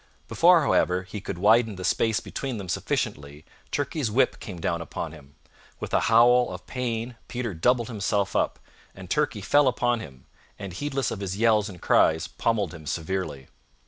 Before, however, he could widen the space between them sufficiently, Turkey's whip came down upon him. With a howl of pain Peter doubled himself up, and Turkey fell upon him, and, heedless of his yells and cries, pommelled him severely.